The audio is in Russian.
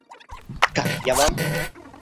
Как я Вам?